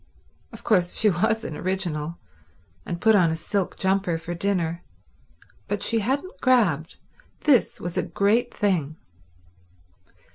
Of course she was an original, and put on a silk jumper for dinner, but she hadn't grabbed. This was a great thing.